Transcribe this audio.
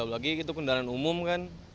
apalagi itu kendaraan umum kan